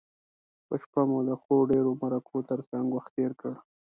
په شپه مو د ښو ډیرو مرکو تر څنګه وخت تیر کړ.